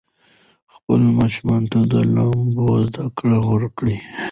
خپلو ماشومانو ته د لامبو زده کړه ورکړئ.